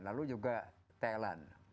lalu juga thailand